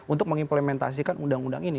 untuk mengimplementasikan undang undang ini